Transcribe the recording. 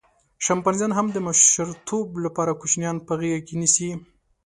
شامپانزیان هم د مشرتوب لپاره کوچنیان په غېږه کې نیسي.